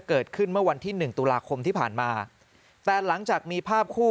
เกิดขึ้นเมื่อวันที่หนึ่งตุลาคมที่ผ่านมาแต่หลังจากมีภาพคู่